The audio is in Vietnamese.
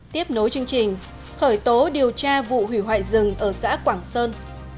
tiếp nối chương trình khởi tố điều tra vụ hủy hoại rừng ở xã quảng sơn